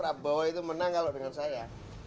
hasil survei prabowo itu menang kalau dengan saya